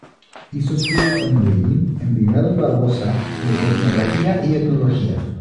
Hizo estudios en Medellín, Envigado y Barbosa de Etnografía y Etnología.